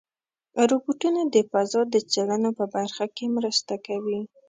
روبوټونه د فضا د څېړنو په برخه کې مرسته کوي.